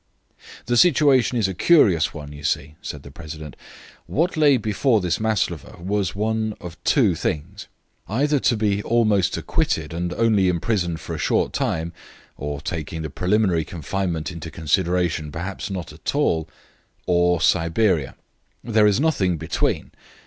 "The situation is a curious one, you see," said the president; "what lay before this Maslova was one of two things: either to be almost acquitted and only imprisoned for a short time, or, taking the preliminary confinement into consideration, perhaps not at all or Siberia. There is nothing between.